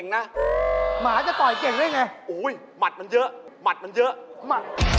พาหมาไปหาหมอ